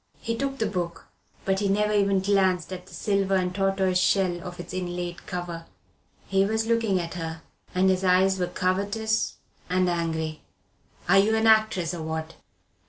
He took the book, but he never even glanced at the silver and tortoise shell of its inlaid cover. He was looking at her, and his eyes were covetous and angry. "Are you an actress, or what?"